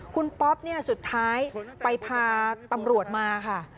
คุณป๊อบสุดท้ายไปพาตำรวจมาค่ะ